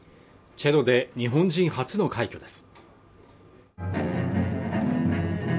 チェロで日本人初の快挙です